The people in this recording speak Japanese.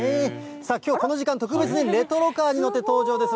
さあ、きょうはこの時間、特別にレトロカーに乗って登場です。